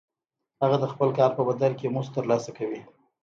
هغه د خپل کار په بدل کې مزد ترلاسه کوي